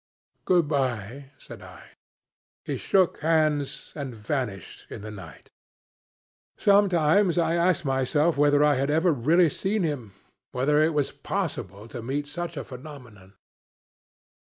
'Goodby,' said I. He shook hands and vanished in the night. Sometimes I ask myself whether I had ever really seen him whether it was possible to meet such a phenomenon!